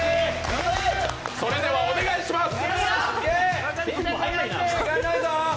それではお願いします。